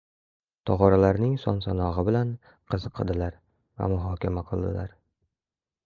tog‘oralarning son-sanog‘i bilan qiziqadilar va muhokama qiladilar.